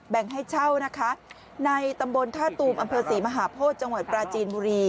แบ่งให้เช่าในตำบลท่าตูมอศรีมหาพฤษจังหวัดปราจีนบุรี